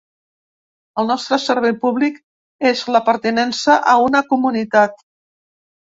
El nostre servei públic és la pertinença a una comunitat.